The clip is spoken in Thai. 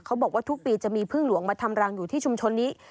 บอกว่าทุกปีจะมีพึ่งหลวงมาทำรังอยู่ที่ชุมชนนี้